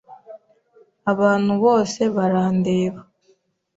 Abantu bose barandeba.